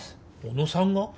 小野さんが？